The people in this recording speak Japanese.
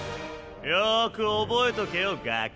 よく覚えとけよガキ。